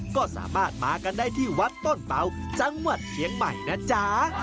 ก็สามารถมากันได้ที่วัดต้นเป๋าจังหวัดเชียงใหม่นะจ๊ะ